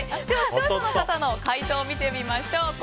では、視聴者の方の回答を見てみましょう。